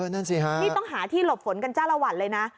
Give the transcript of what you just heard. นี่ต้องหาที่หลบฝนกันจ้าละวันเลยนะ